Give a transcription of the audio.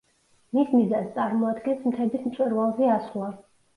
მის მიზანს წარმოადგენს მთების მწვერვალზე ასვლა.